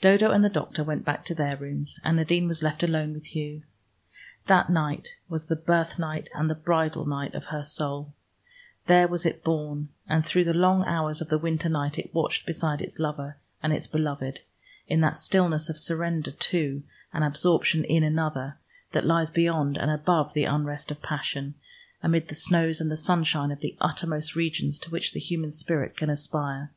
Dodo and the doctor went back to their rooms, and Nadine was left alone with Hugh. That night was the birthnight and the bridal night of her soul: there was it born, and through the long hours of the winter night it watched beside its lover and its beloved, in that stillness of surrender to and absorption in another, that lies beyond and above the unrest of passion amid the snows and sunshine of the uttermost regions to which the human spirit can aspire.